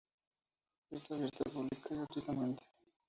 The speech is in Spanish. Está abierta pública y gratuitamente.